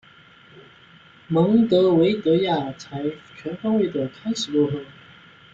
蒙得维的亚才全方位的开始落后。